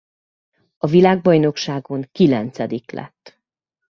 A világbajnokságon kilencedik lett.